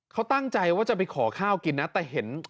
เขาตั้งใจว่าจะไปขอข้าวกินนะแต่เห็น